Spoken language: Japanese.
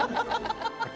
ハハハハ！